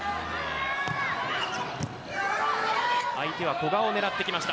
相手は古賀を狙ってきました。